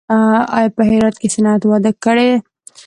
آیا په هرات کې صنعت وده کړې؟